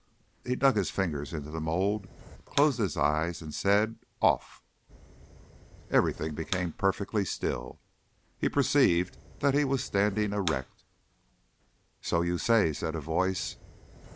He dug his fingers into the mould, closed his eyes, and said "Off!" Everything became perfectly still. He perceived that he was standing erect. "So you say," said a voice.